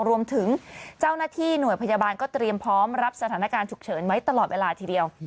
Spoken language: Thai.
รวมถึงเจ้าหน้าที่หน่วยพยาบาลก็เตรียมพร้อมรับสถานการณ์ฉุกเฉินไว้ตลอดเวลาทีเดียว